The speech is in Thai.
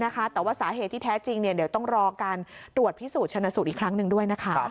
แต่ว่าสาเหตุที่แท้จริงเดี๋ยวต้องรอการตรวจพิสูจนชนะสูตรอีกครั้งหนึ่งด้วยนะคะ